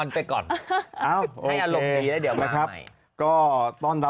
สวัสดีค่ะ